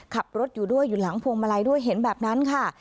ขับรถอยู่ด้วยอยู่หลังพวงมาลัยด้วยเห็นแบบนั้นค่ะ